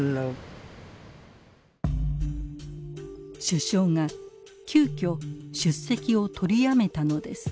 首相が急きょ出席を取りやめたのです。